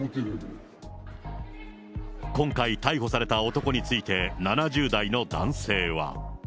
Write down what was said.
今回、逮捕された男について、７０代の男性は。